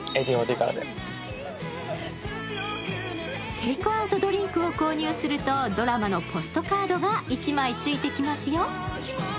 テイクアウトドリンクを購入するとドラマのポストカードが１枚ついてきますよ。